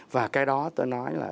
và cái đó tôi nói là